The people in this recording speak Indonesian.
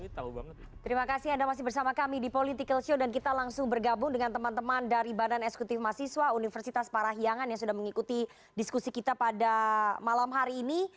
terima kasih anda masih bersama kami di political show dan kita langsung bergabung dengan teman teman dari badan eksekutif mahasiswa universitas parahiangan yang sudah mengikuti diskusi kita pada malam hari ini